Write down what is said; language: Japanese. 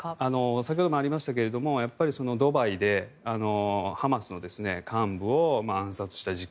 先ほどもありましたがドバイでハマスの幹部を暗殺した事件。